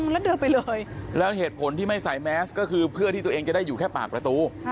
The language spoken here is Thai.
แล้วเดินไปเลยแล้วเหตุผลที่ไม่ใส่แมสก็คือเพื่อที่ตัวเองจะได้อยู่แค่ปากประตู